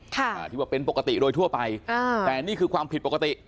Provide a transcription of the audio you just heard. อ่าที่ว่าเป็นปกติโดยทั่วไปอ่าแต่นี่คือความผิดปกติ